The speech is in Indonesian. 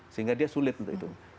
sehingga dia sulit untuk itu